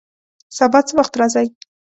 سبا څه وخت راځئ؟